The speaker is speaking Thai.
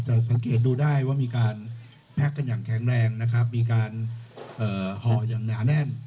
สังเกตดูได้ว่ามีการแพ็คกันอย่างแข็งแรงนะครับมีการห่ออย่างหนาแน่น